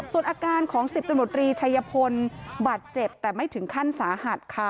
ส่วนอาการของ๑๐ตรชายพลบัตรเจ็บแต่ไม่ถึงขั้นสาหัส